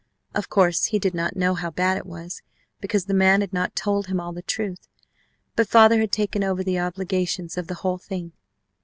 Of course, he did not know how bad it was, because the man had not told him all the truth, but father had taken over the obligations of the whole thing.